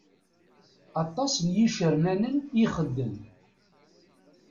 Aṭas n yicernanen i ixedem.